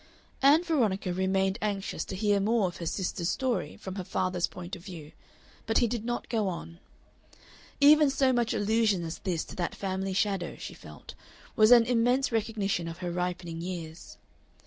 Ann Veronica remained anxious to hear more of her sister's story from her father's point of view, but he did not go on. Even so much allusion as this to that family shadow, she felt, was an immense recognition of her ripening years.